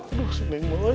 aduh si neng banget sih